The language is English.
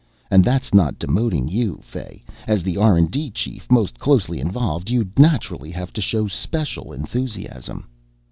"And that's not demoting you, Fay. As the R & D chief most closely involved, you'd naturally have to show special enthusiasm."